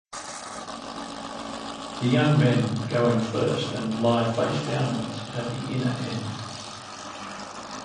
The young men go in first and lie face downwards at the inner end.